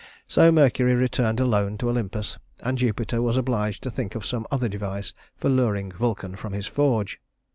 So Mercury returned alone to Olympus, and Jupiter was obliged to think of some other device for luring Vulcan from his forge.